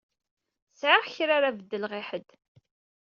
Sɛiɣ kra ara beddleɣ i ḥedd.